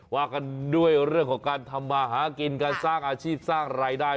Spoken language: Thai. ว่ากันด้วยเรื่องของการทำมาหากินการสร้างอาชีพสร้างรายได้